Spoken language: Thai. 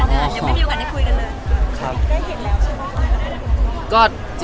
คุณสังเกตก็ถามนะครับน้องมิง